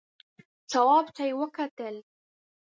تواب ته يې وکتل.